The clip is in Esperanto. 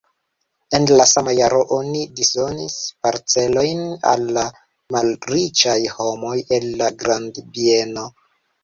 En la sama jaro oni disdonis parcelojn al la malriĉaj homoj el la grandbieno.